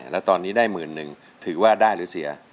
แล้วตอนนี้ได้หมื่นหนึ่งถือว่าได้หรือเสีย